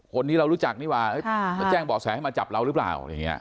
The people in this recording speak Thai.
คนนี้เรารู้จักนี่ว่าอ่าแจ้งเบาะแสให้มาจับเรารึเปล่าอย่างเงี้ย